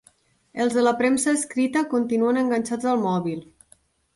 Els de la premsa escrita continuen enganxats al mòbil.